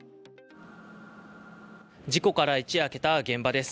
事故から一夜明けた現場です。